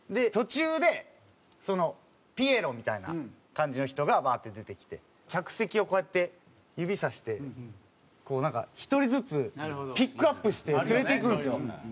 途中でそのピエロみたいな感じの人がワーって出てきて客席をこうやって指さしてなんか１人ずつピックアップして連れていくんですよ